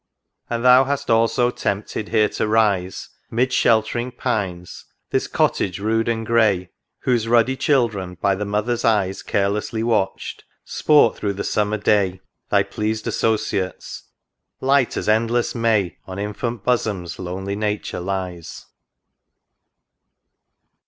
And thou hast also tempted here to rise, 'Mid sheltering pines, this Cottage rude and giey; Whose ruddy children, by the mother's eyes Carelessly watch'd, sport through the summer day, Thy pleas'd associates :— light as endless May On infant bosoms lonely Nature lies.